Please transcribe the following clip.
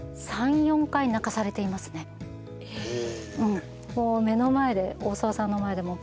へえ。